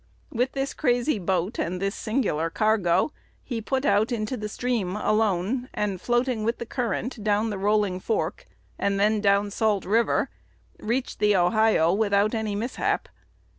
With this crazy boat and this singular cargo, he put out into the stream alone, and floating with the current down the Rolling Fork, and then down Salt River, reached the Ohio without any mishap.